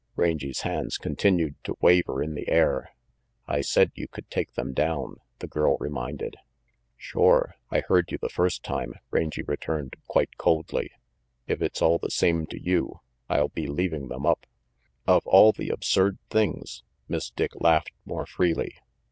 Rangy's hands continued to waver in the air. "I said you could take them down," the girl reminded. "Shore I heard you the first time," Rangy returned, quite coldly. "If it's all the same to you, I'll be leaving them up." "Of all the absurd things!" Miss Dick laughed more freely.